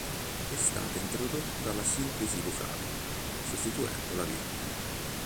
È stata introdotta la sintesi vocale, sostituendo la virgola.